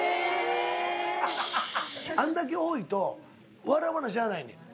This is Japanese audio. あんだけ多いと笑わなしゃあないねん。